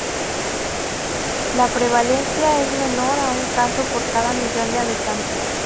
La prevalencia es menor a un caso por cada millón de habitantes.